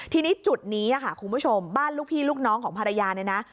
ทีนี้จุดนี้ค่ะคุณผู้ชมบ้านลูกพี่ลูกน้องของภรรยาเนี่ยนะ